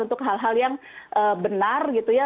untuk hal hal yang benar gitu ya